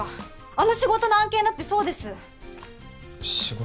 あの仕事の案件だってそうです仕事？